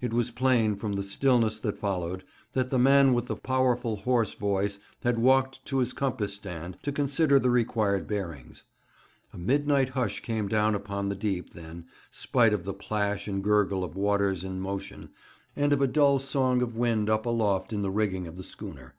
It was plain, from the stillness that followed, that the man with the powerful hoarse voice had walked to his compass stand to consider the required bearings. A midnight hush came down upon the deep then, spite of the plash and gurgle of waters in motion, and of a dull song of wind up aloft in the rigging of the schooner.